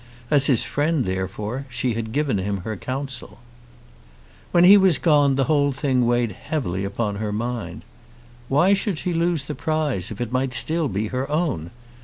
As his friend, therefore, she had given him her counsel. When he was gone the whole thing weighed heavily upon her mind. Why should she lose the prize if it might still be her own?